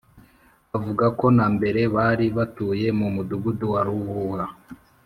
avuga ko na mbere bari batuye mu mudugudu wa Ruhuha